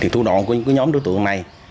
thủ đoàn của những nhóm đối tượng này